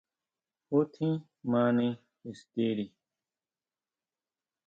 ¿Ju tjín mani ixtiri?